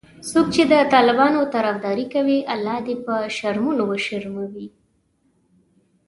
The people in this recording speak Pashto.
څوک چې د طالبانو طرفداري کوي الله دي په شرمونو وشرموي